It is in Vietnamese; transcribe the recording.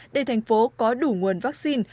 để thành phố có đủ nguồn vaccine